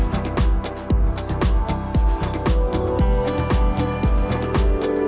setangkap sandwich goreng